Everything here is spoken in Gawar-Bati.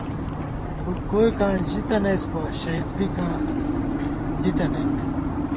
فُک گوئیکاں زی ژِی تنَئیس بہ ، شہید بِکان ژِتَنَئیک